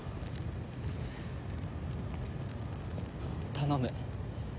頼む。